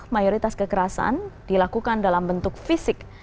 mayoritas kekerasan dilakukan dalam bentuk fisik